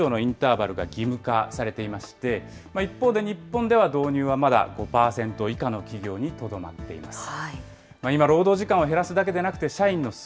ヨーロッパでは、１１時間以上のインターバルが義務化されていまして、一方で日本では、導入はまだ５％以下の企業にとどまっています。